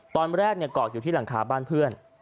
ตอนแรกเกาะอยู่ที่หลังคาบ้านเพื่อน